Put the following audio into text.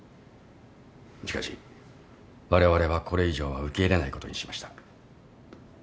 しかしわれわれはこれ以上は受け入れないことにしました。